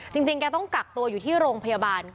จริงแกต้องกักตัวอยู่ที่โรงพยาบาล